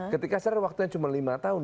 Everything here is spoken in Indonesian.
tapi waktu yang cuma lima tahun